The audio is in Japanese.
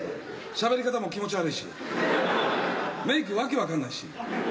しゃべり方も気持ち悪いしメイク訳分かんないし。